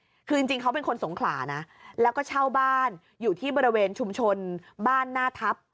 คือจริงจริงเขาเป็นคนสงขลานะแล้วก็เช่าบ้านอยู่ที่บริเวณชุมชนบ้านหน้าทัพ